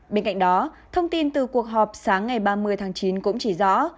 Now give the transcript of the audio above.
bên cạnh đó thông tin từ cuộc họp sáng ngày ba mươi tháng chín cũng chỉ rõ